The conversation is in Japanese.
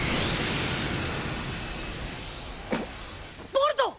ボルト！